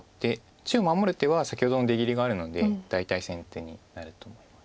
中央守る手は先ほどの出切りがあるので大体先手になると思います。